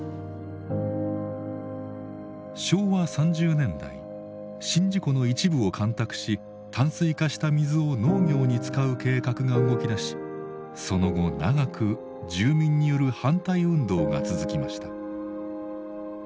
昭和３０年代宍道湖の一部を干拓し淡水化した水を農業に使う計画が動きだしその後長く住民による反対運動が続きました。